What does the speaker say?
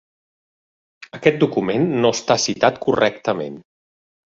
Aquest document no està citat correctament.